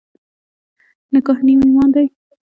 نکاح نیم ایمان دی.